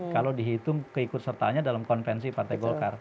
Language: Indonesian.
kalau dihitung keikut sertanya dalam konvensi partai golkar tahun dua ribu tiga